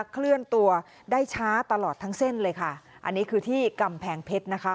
เคลื่อนตัวได้ช้าตลอดทั้งเส้นเลยค่ะอันนี้คือที่กำแพงเพชรนะคะ